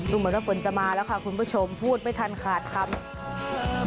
เหมือนว่าฝนจะมาแล้วค่ะคุณผู้ชมพูดไม่ทันขาดคำ